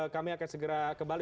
kami akan segera kembali